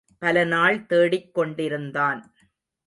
பல நாள் தேடிக் கொண்டிருந்தான்.